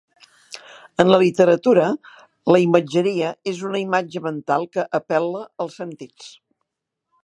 En la literatura, la imatgeria és una "imatge mental" que apel·la als sentits.